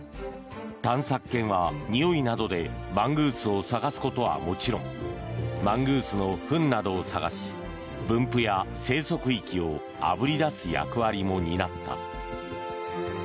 探索犬はにおいなどでマングースを探すことはもちろんマングースのフンなどを探し分布や生息域をあぶり出す役割も担った。